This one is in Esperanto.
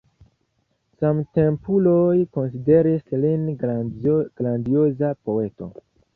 Samtempuloj konsideris lin grandioza poeto.